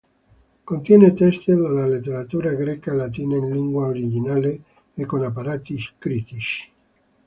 Contiene testi della letteratura greca e latina in lingua originale e con apparati critici.